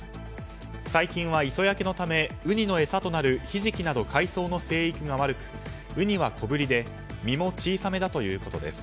最近は磯焼けのためウニのえさとなるヒジキなど海藻の生育が悪くウニは小ぶりで身も小さめだということです。